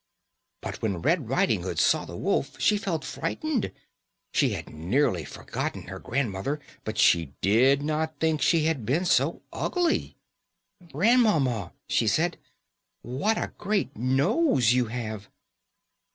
_ But when Red Riding Hood saw the wolf she felt frightened. She had nearly forgotten grandmother, but she did not think she had been so ugly. "Grandmamma," she said, "what a great nose you have."